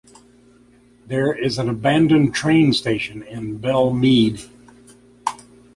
There is an abandoned train station in Belle Mead.